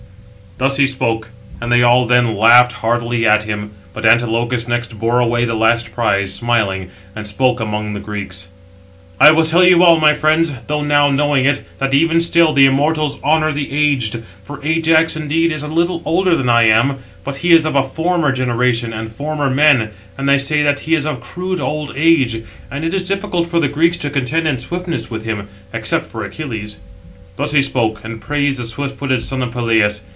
Thus he spoke; and they all then laughed heartily at him. But Antilochus next bore away the last prize, smiling, and spoke among the Greeks: "I will tell you all, my friends, though now knowing it, that even still the immortals honour the aged. For Ajax, indeed, is a little older than I am: but he is of a former generation, and former men; and they say that he is of crude old age, and it is difficult for the Greeks to contend in swiftness with him, except for Achilles." Thus he spoke; and praised the swift footed son of Peleus.